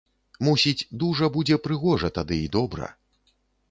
Мусіць, дужа будзе прыгожа тады і добра.